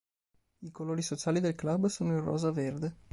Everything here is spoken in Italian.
I colori sociali del club sono il rosa-verde.